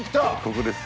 ここです。